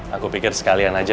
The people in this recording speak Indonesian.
aku pikir sekalian aja